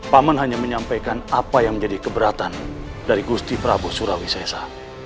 paman hanya menyampaikan apa yang menjadi keberatan dari gusti prabu surawisesa